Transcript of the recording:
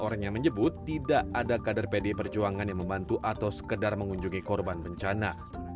orang yang menyebut tidak ada kader pdi perjuangan yang membantu atau sekedar mengunjungi korban bencana